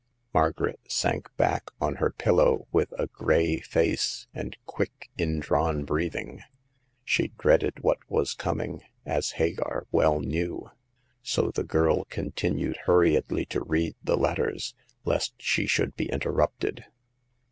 Margaret sank back on her pillow with a gray face and quick in drawn breathing. She dreaded what was coming, as Hagar well knew ; so the girl continued hurriedly to read the letters, lest she should be interrupted.